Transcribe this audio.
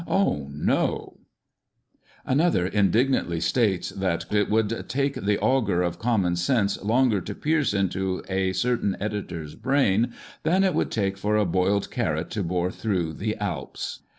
Oh no !" Another in dignantly states that it " would take the auger of common sense longer to pierce into a certain editor's brain than it would take for a boiled carrot to bore through the Alps."